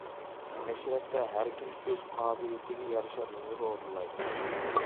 مەشرەپتە ھەركىم ئۆز قابىلىيىتىگە يارىشا نومۇر ئورۇنلايدۇ.